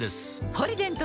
「ポリデント」